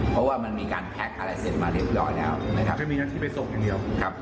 เพราะว่ามันมีการแพ็คอะไรเสร็จมาเรียบร้อยแล้วนะครับ